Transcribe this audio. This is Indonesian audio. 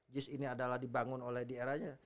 just ini adalah dibangun oleh di eranya